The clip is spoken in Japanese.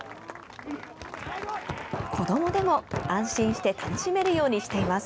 子どもでも安心して楽しめるようにしています。